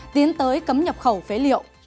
tiến tới cấm nhập khẩu phế liệu